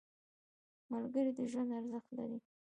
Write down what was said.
• ملګری د ژوند ارزښت لري.